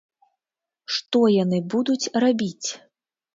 Што яны будуць рабіць?